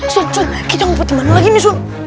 sun sun kita ngapain lagi nih sun